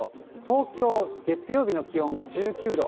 東京、月曜日の気温が１９度。